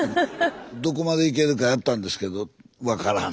どこまでいけるかやったんですけど「分からん」